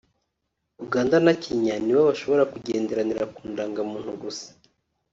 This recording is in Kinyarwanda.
Uganda na Kenya nibo bashobora kugenderanira ku ndangamuntu gusa